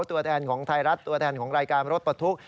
ตัวแทนของไทยรัฐตัวแทนของรายการรถปลดทุกข์